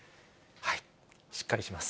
しっかりします。